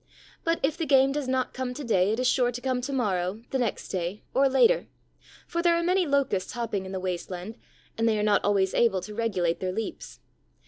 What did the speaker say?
But, if the game does not come to day, it is sure to come to morrow, the next day, or later, for there are many Locusts hopping in the waste land, and they are not always able to regulate their leaps.